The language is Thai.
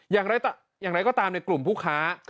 อย่างไรก็ตามในกลุ่มผู้ค้า